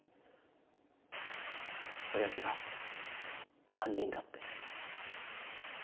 親父が犯人だって。